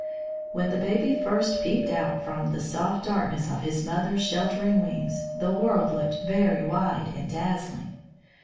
When the baby first peeped out from the soft darkness of his mother's sheltering wings the world looked very wide and dazzling.